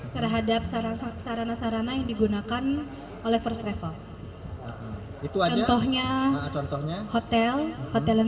terhadap sarana sarana yang digunakan oleh first level itu aja tohnya contohnya hotel hotel yang